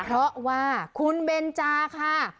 เพราะว่าคุณเบนจาค่ะ